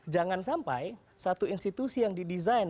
jangan sampai satu institusi yang didesain